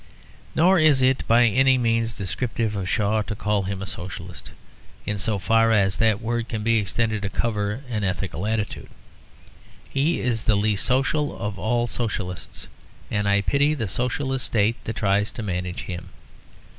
Nor is it by any means descriptive of Shaw to call him a Socialist; in so far as that word can be extended to cover an ethical attitude. He is the least social of all Socialists; and I pity the Socialist state that tries to manage him.